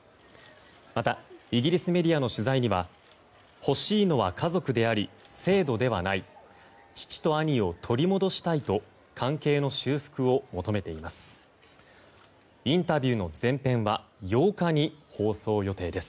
またイギリスメディアの取材には欲しいのは家族であり制度ではない父と兄を取り戻したいと関係の修復を求めています。